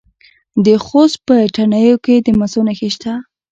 د خوست په تڼیو کې د مسو نښې شته.